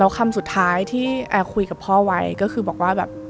แล้วคำสุดท้ายที่แอคุยกับพ่อไว้ก็คือบอกว่า